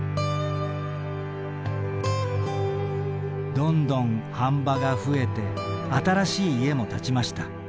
「どんどん飯場が増えて新しい家も建ちました。